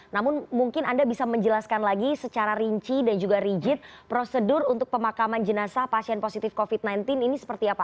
namun mungkin anda bisa menjelaskan lagi secara rinci dan juga rigid prosedur untuk pemakaman jenazah pasien positif covid sembilan belas ini seperti apa